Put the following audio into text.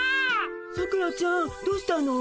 さくらちゃんどうしたの？